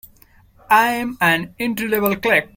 I'm an entry-level clerk.